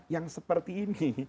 yang seperti ini